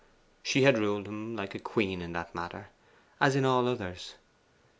She had ruled him like a queen in that matter, as in all others.